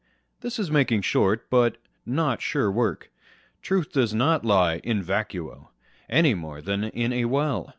This is making short, but not sure work. Truth does not lie in vacuo, any more than in a well.